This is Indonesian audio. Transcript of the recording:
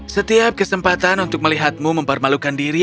setiap kesempatan untuk melihatmu mempermalukan diri